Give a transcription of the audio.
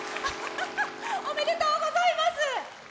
おめでとうございます！